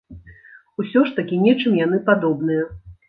Усё ж такі нечым яны падобныя!